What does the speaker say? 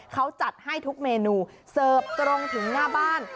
เขาจัดให้ทุกเมนูเสิร์ฟตรงถึงหน้าบ้าน